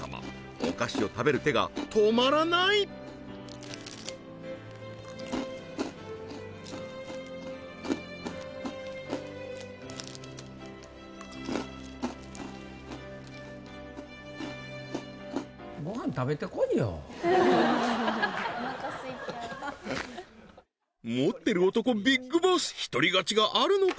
お菓子を食べる手が止まらないおなかすいちゃう持ってる男ビッグボス一人勝ちがあるのか？